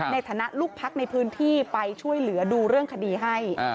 ในฐานะลูกพักในพื้นที่ไปช่วยเหลือดูเรื่องคดีให้